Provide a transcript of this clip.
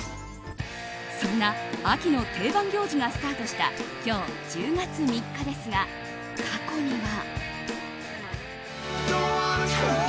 そんな秋の定番行事がスタートした今日、１０月３日ですが過去には。